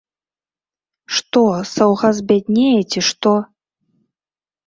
Што, саўгас збяднее, ці што?